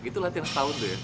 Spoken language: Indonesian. itu latihan setahun tuh ya